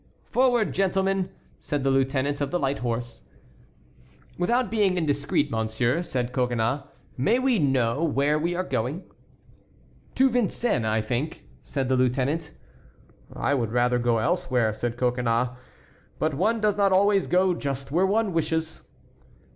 '" "Forward, gentlemen!" said the lieutenant of the light horse. "Without being indiscreet, monsieur," said Coconnas, "may we know where we are going?" "To Vincennes, I think," said the lieutenant. "I would rather go elsewhere," said Coconnas; "but one does not always go just where one wishes."